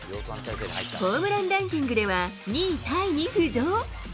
ホームランランキングでは、２位タイに浮上。